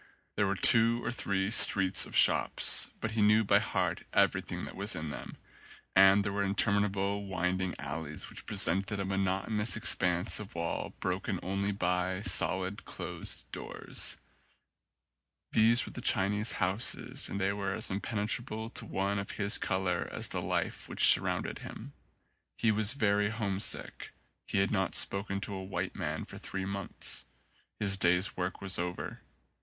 There were two or three streets of shops, but he knew by heart everything that was in them; and there were interminable winding alleys which presented a monotonous expanse of wall broken only by solid closed doors. These were the Chinese houses and they were as impene trable to one of his colour as the life which sur rounded him. He was very homesick. He had not spoken to a white man for three months. His day's work was over.